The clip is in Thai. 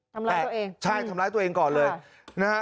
แตกตัวเองใช่ทำร้ายตัวเองก่อนเลยนะฮะ